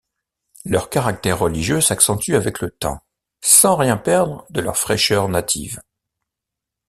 Leur caractère religieux s’accentue avec le temps, sans rien perdre de leur fraîcheur native.